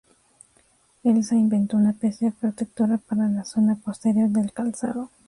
Elsa inventó una pieza protectora para la zona posterior del calzado.